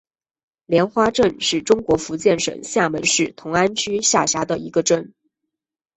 莲花镇是中国福建省厦门市同安区下辖的一个镇。